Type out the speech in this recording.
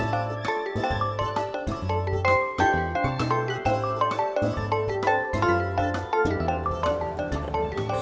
gak ada apa apa